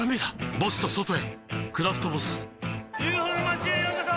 ボスと外へ「クラフトボス」ＵＦＯの町へようこそ！